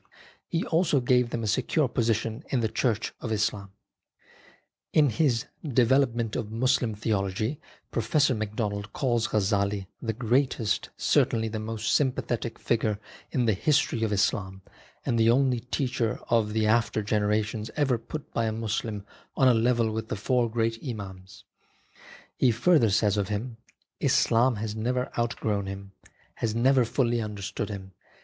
He also gave them a secure position in the Church of Islam. 10 INFLUENCE OF HIS TEACHING In his Development of Muslim Theology Pro fessor Macdonald calls Ghazzali " the greatest, certainly the most sympathetic figure in the history of Islam, and the only teacher of the after generations ever put by a Muslim on a level with the four great Imams." He further says of him :" Islam has never outgrown him, has never fully understood him.